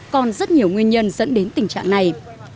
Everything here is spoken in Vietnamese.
còn rất nhiều nguyên nhân dẫn đến tình trạng này